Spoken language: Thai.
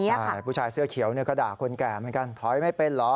ใช่ผู้ชายเสื้อเขียวก็ด่าคนแก่เหมือนกันถอยไม่เป็นเหรอ